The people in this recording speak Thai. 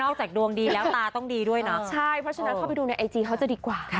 จากดวงดีแล้วตาต้องดีด้วยนะใช่เพราะฉะนั้นเข้าไปดูในไอจีเขาจะดีกว่า